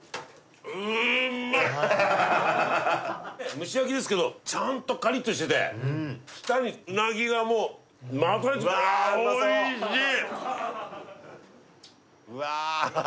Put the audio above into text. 蒸し焼きですけどちゃんとカリッとしてて舌にうなぎがもうまとわりついておいしい！